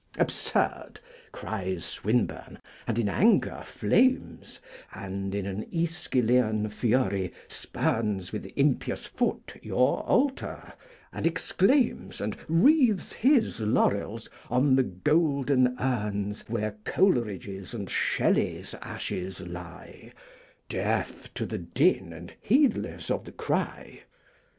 'Absurd!' cries Swinburne, and in anger flames, And in an AEschylean fury spurns With impious foot your altar, and exclaims And wreathes his laurels on the golden urns Where Coleridge's and Shelley's ashes lie, Deaf to the din and heedless of the cry.